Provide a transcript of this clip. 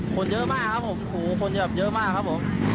คนเยอะมากครับผมโหคนจะแบบเยอะมากครับผม